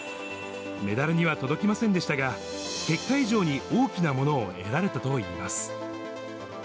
メダルには届きませんでしたが、結果以上に大きなものを得られたといいます。